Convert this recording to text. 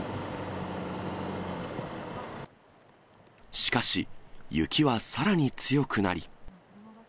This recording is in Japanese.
しかし、雪はさらに強くなり。